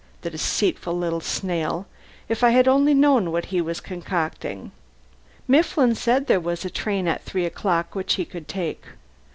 The deceitful little snail! If I had only known what he was concocting! Mifflin said there was a train at three o'clock which he could take.